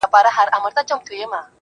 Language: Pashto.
آهونه چي د مړه زړه له پرهاره راوتلي~